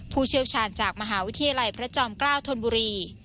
เชี่ยวชาญจากมหาวิทยาลัยพระจอมเกล้าธนบุรี